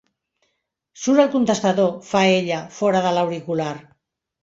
Surt el contestador —fa ella, fora de l'auricular—.